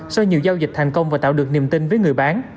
sau nhiều giao dịch thành công và tạo được niềm tin với người bán